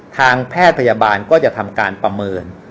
ทางแพทย์พยาบาลก็จะทำการประเมิน